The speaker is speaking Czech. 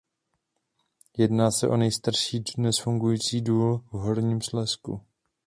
Jedná se o nejstarší dodnes fungující důl v Horním Slezsku.